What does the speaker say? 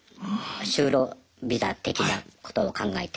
就労ビザ的なことを考えて。